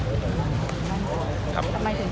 ครับ